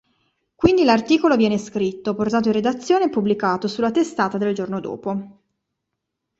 Quindi l'articolo viene scritto, portato in redazione e pubblicato sulla testata del giorno dopo.